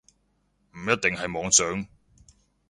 唔一定係妄想